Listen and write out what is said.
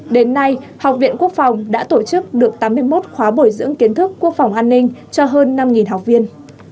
đến nay học viện quốc phòng đã tổ chức được tám mươi một khóa bồi dưỡng kiến thức quốc phòng an ninh cho hơn năm học viên